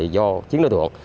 do chiến đối tượng